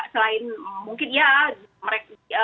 selain mungkin ya